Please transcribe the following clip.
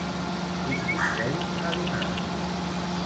Quin consell ha donat?